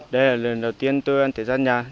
đây là lần đầu tiên tôi ăn thể giác nhà